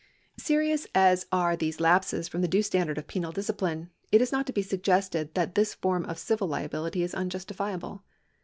Serious as are these lapses from the due standard of penal discipline, it is not to be suggested that this form of civil liability is unjustifiable.